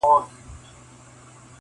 ځيني يې درد بولي ډېر,